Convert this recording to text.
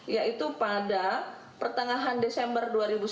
yaitu pada pertengahan desember dua ribu sembilan belas